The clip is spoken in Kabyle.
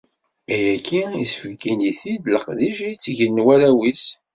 Ayagi yesbeyyin-it-id leqdic i tt-gen warraw-is.